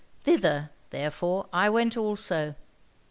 Thither, therefore, I went also.'